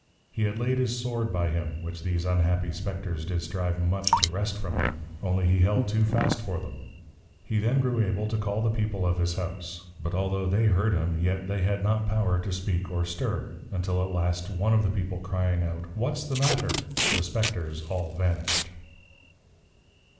He had laid his Sword by him, which these unhappy Spectres did strive much to wrest from him; only he held too fast for them. He then grew able to call the People of his House; but altho' they heard him, yet they had not power to speak or stir; until at last, one of the People crying out, What's the matter? The Spectres all vanished.